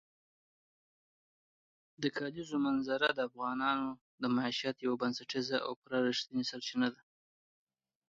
د کلیزو منظره د افغانانو د معیشت یوه بنسټیزه او پوره رښتینې سرچینه ده.